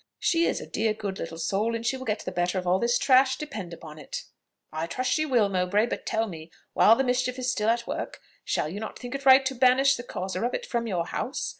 She is a dear good little soul, and she will get the better of all this trash, depend upon it." "I trust she will, Mowbray; but tell me, while the mischief is still at work, shall you not think it right to banish the causer of it from your house?